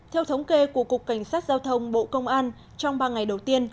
theo thống kê của cục cảnh sát giao thông bộ công an trong ba ngày đầu tiên